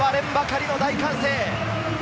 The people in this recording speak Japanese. そして割れんばかりの大歓声。